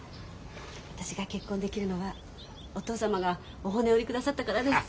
私が結婚できるのはお義父様がお骨折りくださったからです。